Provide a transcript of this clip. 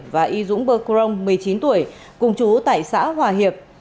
và y dũng bơ crong một mươi chín tuổi cùng chú tại xã hòa hiệp